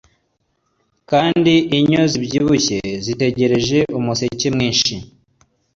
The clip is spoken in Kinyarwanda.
Kandi inyo zibyibushye zitegereje umusekemwinshi